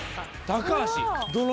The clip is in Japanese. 高橋！